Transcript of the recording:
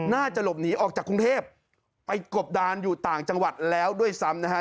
น่าจะหลบหนีออกจากกรุงเทพไปกบดานอยู่ต่างจังหวัดแล้วด้วยซ้ำนะฮะ